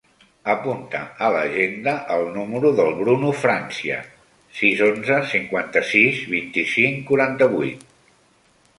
Apunta a l'agenda el número del Bruno Francia: sis, onze, cinquanta-sis, vint-i-cinc, quaranta-vuit.